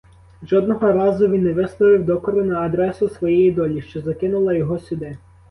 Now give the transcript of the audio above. Жодного разу він не висловив докору на адресу своєї долі, що закинула його сюди.